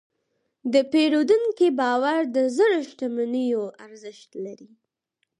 د پیرودونکي باور د زر شتمنیو ارزښت لري.